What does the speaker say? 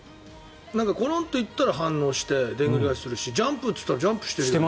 コロンと言ったら反応してでんぐり返しするしジャンプって言ったらジャンプして。